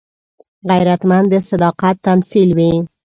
غیرتمند د صداقت تمثیل وي